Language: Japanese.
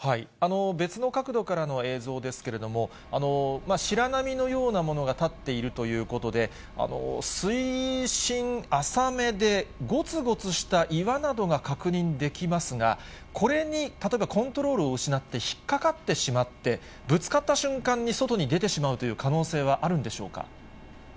別の角度からの映像ですけれども、白波のようなものが立っているということで、水深浅めで、ごつごつした岩などが確認できますが、これに例えばコントロールを失って引っ掛かってしまって、ぶつかった瞬間に外に出てしまうという可能性はあるんでしょうか。